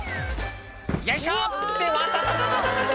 「よいしょ！ってわたたた！」